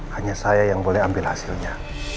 hanya saya yang boleh ambil hasilnya